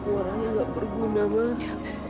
keluarannya gak berguna mas